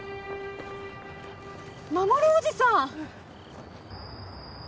守おじさん！